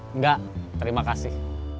enggak terima kasih